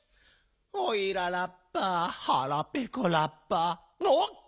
「おいらラッパーはらぺこラッパー」おっ！